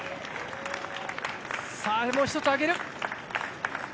もう一つ上げる！